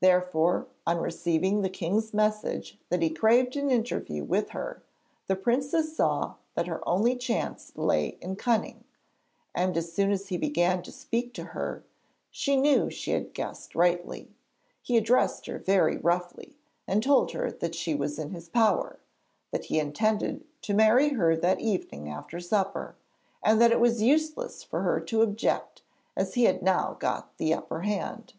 Therefore, on receiving the king's message that he craved an interview with her, the princess saw that her only chance lay in cunning, and, as soon as he began to speak to her, she knew she had guessed rightly. He addressed her very roughly, and told her that she was in his power; that he intended to marry her that evening after supper, and that it was useless for her to object as he had now got the upper hand.